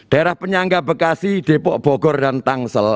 daerah penyangga bekasi depok bogor dan tangsel